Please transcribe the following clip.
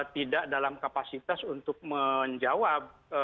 tidak dalam kapasitas untuk menjawab